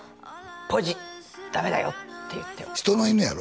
ポジダメだよ」って言って人の犬やろ？